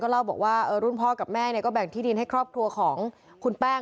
เล่าบอกว่ารุ่นพ่อกับแม่ก็แบ่งที่ดินให้ครอบครัวของคุณแป้ง